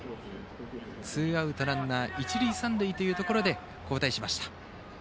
ツーアウトランナー、一塁三塁というところ交代しました。